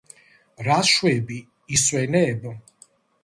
რას შვები, ისვენებ?